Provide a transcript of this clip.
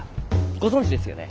ご存じですよね？